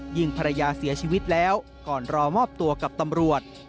ยิงภรรยาเสียชีวิตแล้วก่อนรอมอบตัวกับตำรวจ